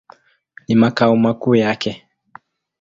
Ni makao makuu yake.